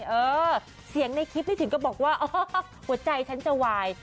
เออเสียงในคลิปนี้ถึงก็บอกว่าอ๋อหัวใจฉันจะวาย